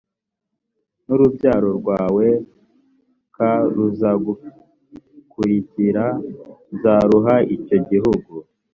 n urubyaro rwawe k ruzagukurikira nzaruha icyo gihugu